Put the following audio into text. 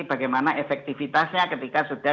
bagaimana efektivitasnya ketika sudah